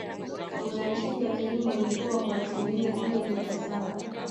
Uzalishaji wa kilimo ulikua kwa asilimia nne nukta Saba